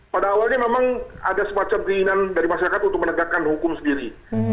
pada awalnya memang ada semacam keinginan dari masyarakat untuk menegakkan hukum sendiri